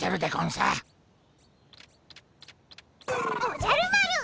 おじゃる丸！